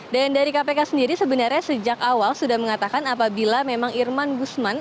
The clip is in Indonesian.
dan dari kpk sendiri sebenarnya sejak awal sudah mengatakan apabila memang irman gusman